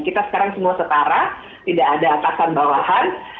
kita sekarang semua setara tidak ada atasan bawahan